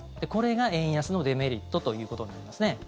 これが円安のデメリットということになりますね。